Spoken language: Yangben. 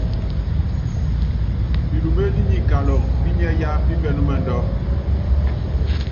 Pilúméné nyi kaluŋɔ pinyiɛ́ yá pípɛnúmɛndú.